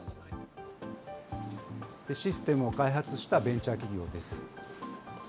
システムを開発したベンチャー企業です。